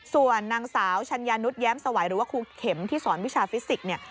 ส่วนนางสาวชัญญานุษย้มสวัยหรือว่าครูเข็มที่สอนวิชาฟิสิกส์เนี่ย